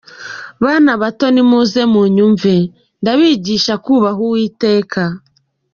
Bana bato nimuze munyumve, Ndabigisha kūbaha Uwiteka.